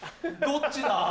どっちだぁ？